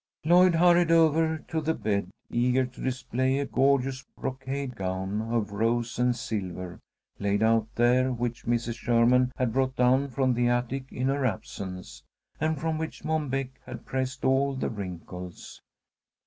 Lloyd hurried over to the bed, eager to display a gorgeous brocade gown of rose and silver laid out there, which Mrs. Sherman had brought down from the attic in her absence, and from which Mom Beck had pressed all the wrinkles.